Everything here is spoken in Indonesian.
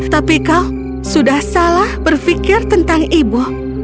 tapi kau sudah salah berpikir tentang ibu